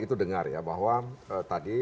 itu dengar ya bahwa tadi